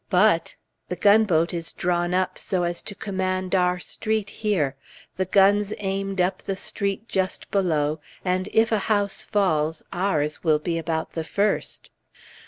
But ! The gunboat is drawn up so as to command our street here; the guns aimed up the street just below, and if a house falls, ours will be about the first.